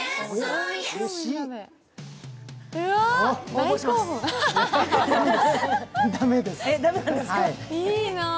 いいなあ。